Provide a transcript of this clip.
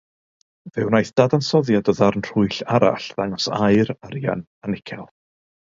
Fe wnaeth dadansoddiad o ddarn rhwyll arall ddangos aur, arian, a nicel.